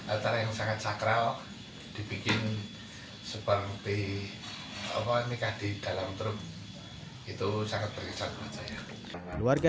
antara yang sangat sakral dibikin seperti obat nikah di dalam truk itu sangat berkesan keluarga